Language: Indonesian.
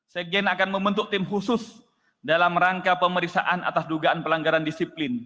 sekjen akan membentuk tim khusus dalam rangka pemeriksaan atas dugaan pelanggaran disiplin